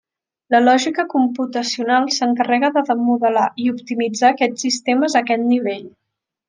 La lògica computacional s'encarrega de modelar i optimitzar aquests sistemes a aquest nivell.